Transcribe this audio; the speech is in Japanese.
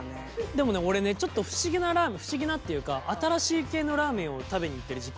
でもね俺ねちょっと不思議なっていうか新しい系のラーメンを食べにいってる時期があって。